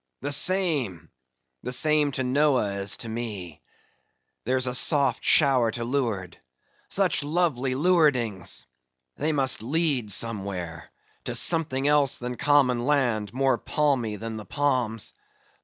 —the same!—the same to Noah as to me. There's a soft shower to leeward. Such lovely leewardings! They must lead somewhere—to something else than common land, more palmy than the palms.